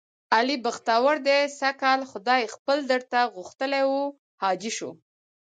علي بختور دی سږ کال خدای خپل درته غوښتلی و. حاجي شو،